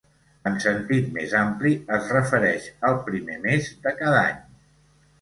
En sentit més ampli, es refereix al primer mes de cada any.